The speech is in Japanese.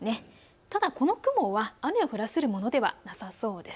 ただ、この雲は雨を降らせるものではなさそうです。